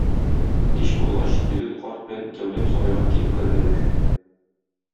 Кич булгач, егет карт белән икәүләп сарайга килеп керделәр.